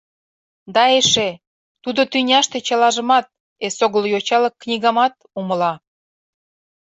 Да эше: тудо тӱняште чылажымат, эсогыл йочалык книгамат, умыла.